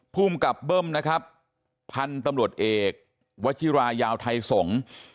ภูมิกับเบิ้มนะครับพันธุ์ตำรวจเอกวัชิรายาวไทยสงฆ์